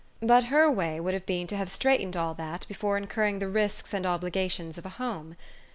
But her way would have been to have straightened all that before incur ring the risks and obligations of a home.